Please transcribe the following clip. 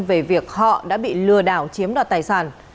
về việc họ đã bị lừa đảo chiếm đoạt tài sản